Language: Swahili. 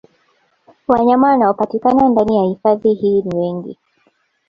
Wanyama wanaopatikana ndani ya hifadhi hii ni wengi